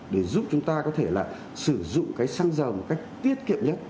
để giúp chúng ta có thể là sử dụng cái xăng dầu một cách tiết kiệm nhất